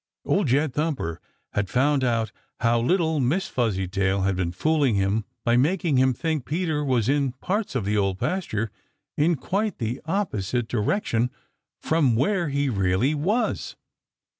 Old Jed Thumper had found out how little Miss Fuzzytail had been fooling him by making him think Peter was in parts of the Old Pasture in quite the opposite direction from where he really was.